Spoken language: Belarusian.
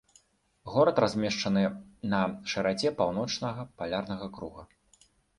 Горад размешчаны на шыраце паўночнага палярнага круга.